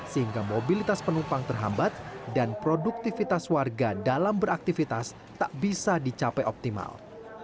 sehingga mobilitas penumpang terhambat dan produktivitas warga dalam beraktivitas tak bisa dicapai optimal